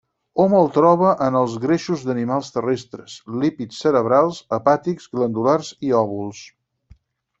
Hom el troba en els greixos d'animals terrestres, lípids cerebrals, hepàtics, glandulars i òvuls.